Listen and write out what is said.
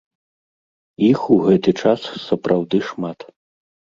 Іх у гэты час сапраўды шмат.